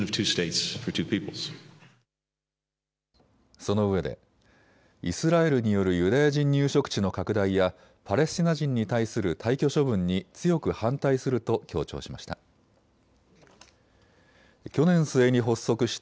そのうえでイスラエルによるユダヤ人入植地の拡大やパレスチナ人に対する退去処分に強く反対すると強調しました。